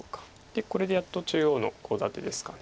でこれでやっと中央のコウ立てですか。